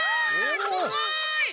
すごい！